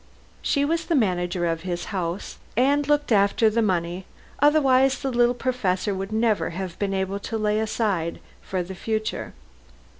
She was the manager of his house and looked after the money, otherwise the little professor would never have been able to lay aside for the future.